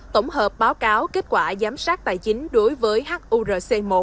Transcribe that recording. tổng hợp báo cáo kết quả giám sát tài chính đối với hurc một